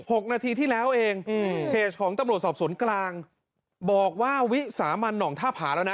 หกนาทีที่แล้วเองอืมเพจของตำรวจสอบสวนกลางบอกว่าวิสามันห่องท่าผาแล้วนะ